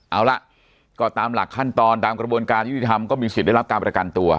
เอาล่ะก็ตามหลักขั้นตอนตามกระบวนการยุติธรรมก็มีสิทธิ์ได้รับการประกันตัว